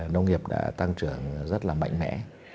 nông nghiệp đã tăng trưởng rất là mạnh mẽ